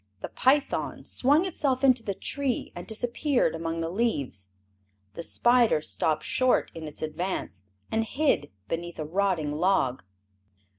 The python swung itself into the tree and disappeared among the leaves. The spider stopped short in its advance and hid beneath a rotting log.